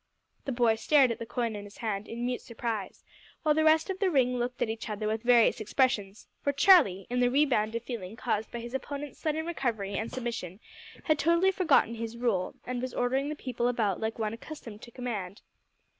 The boy stared at the coin in his hand in mute surprise, while the rest of the ring looked at each other with various expressions, for Charlie, in the rebound of feeling caused by his opponent's sudden recovery and submission, had totally forgotten his role and was ordering the people about like one accustomed to command.